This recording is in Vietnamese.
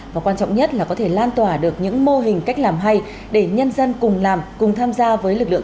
và quan trọng nhất là có thể lan tỏa được những mô hình cách làm hay để nhân dân cùng làm cùng tham gia với lực lượng